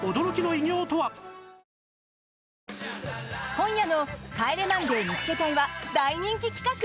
今夜の「帰れマンデー見っけ隊！！」は大人気企画！